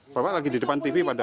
bapak lagi di depan tv pada